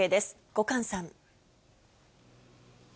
後閑さん。